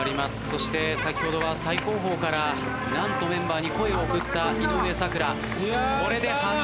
そして先ほどは最後方からメンバーに声を送った井上咲楽。